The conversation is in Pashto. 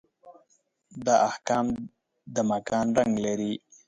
دا احکام د مکان رنګ لري.